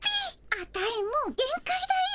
アタイもう限界だよ。